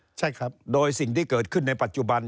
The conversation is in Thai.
ที่ผ่านมาโดยสิ่งที่เกิดขึ้นในปัจจุบัน